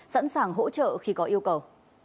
sẵn sàng hỗ trợ khi có yêu cầu